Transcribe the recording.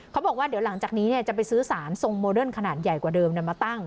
บอกว่าเดี๋ยวหลังจากนี้จะไปซื้อสารทรงโมเดิร์นขนาดใหญ่กว่าเดิมมาตั้ง